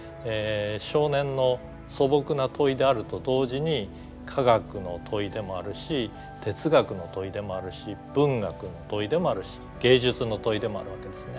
少年の素朴な問いであると同時に科学の問いでもあるし哲学の問いでもあるし文学の問いでもあるし芸術の問いでもあるわけですね。